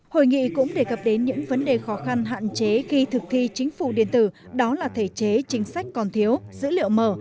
hội nghị cũng đề cập đến những vấn đề khó khăn hạn chế khi thực thi chính phủ điện tử đó là thể chế chính sách còn thiếu dữ liệu mở